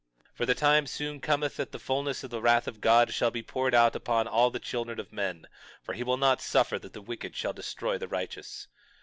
22:16 For the time soon cometh that the fulness of the wrath of God shall be poured out upon all the children of men; for he will not suffer that the wicked shall destroy the righteous.